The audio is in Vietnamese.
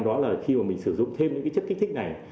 đó là khi mà mình sử dụng thêm những cái chất kích thích này